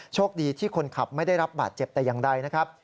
โชคดีที่คนขับไม่ได้รับบาดเจ็บแต่อย่างใดนะครับ